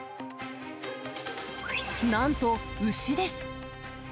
なんと牛です。